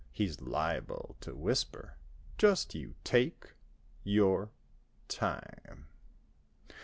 He's liable to whisper; "Just you—take—your—time."